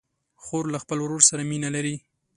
خور له خپل ورور سره مینه لري.